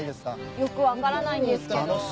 よくわからないんですけど。